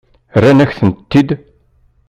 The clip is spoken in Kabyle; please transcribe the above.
Rran-akent-ten-id?